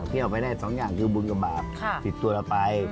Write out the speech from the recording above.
พี่เป็นโรงปมอะไรพวกนี้